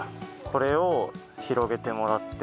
これを広げてもらって。